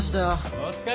お疲れ！